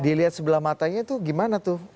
dilihat sebelah matanya tuh gimana tuh